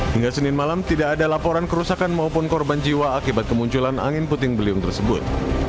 hingga senin malam tidak ada laporan kerusakan maupun korban jiwa akibat kemunculan angin puting beliung tersebut